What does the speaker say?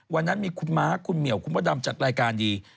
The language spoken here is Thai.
วันนั้นมีคุณม้าคุณเหมียวคุณพระดำจัดรายการดี